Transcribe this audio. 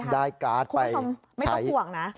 ได้การ์ดไปใช้คุณผู้ชมไม่ต้องห่วงนะ